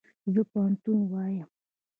زه پوهنتون وایم